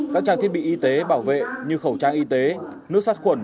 các trang thiết bị y tế bảo vệ như khẩu trang y tế nước sát khuẩn